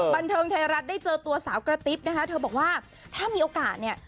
บันเทิงไทยรัฐได้เจอตัวสาวกระติ๊บนะคะเธอบอกว่าถ้ามีโอกาสเนี่ย